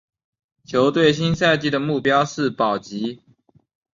球队新赛季的目标是保级。